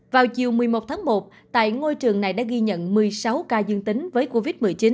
vào chiều một mươi một tháng một tại ngôi trường này đã ghi nhận một mươi sáu ca dương tính với covid một mươi chín